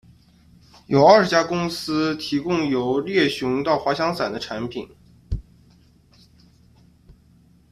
有二十家公司提供由猎熊到滑翔伞的产品。